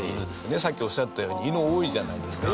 さっきおっしゃったように犬、多いじゃないですか。